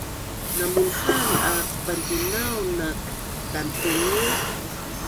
Namunhaan aak pantinaun naak tatungu